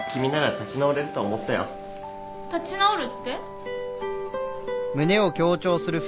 立ち直るって？